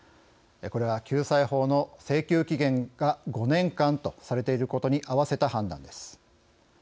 これは、救済法の請求期限が５年間とされていることに合わせた判断です。